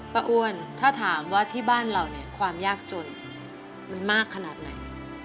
อ้วนถ้าถามว่าที่บ้านเราเนี่ยความยากจนมันมากขนาดไหน